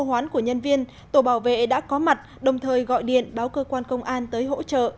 hoán của nhân viên tổ bảo vệ đã có mặt đồng thời gọi điện báo cơ quan công an tới hỗ trợ